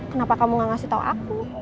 kenapa kamu gak ngasih tau aku